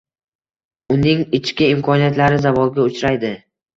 uning ichki imkoniyatlari zavolga uchraydi.